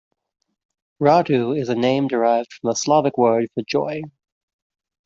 "Radu" is a name derived from the Slavic word for "joy".